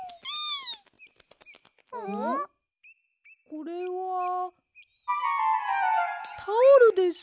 これはタオルです。